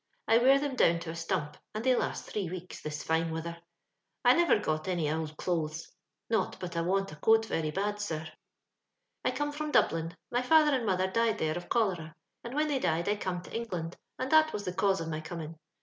I wear them down to a stomp, and they last three weeks, this fine wither. I nivcr got any ould dothes — not but I want a coot very bad, sir. " I come from Dublin ; my father and mo tlier died there of cholera; and when they died, I come to England, and that was the cause of my coming.